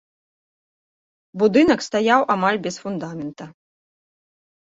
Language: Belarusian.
Будынак стаяў амаль без фундамента.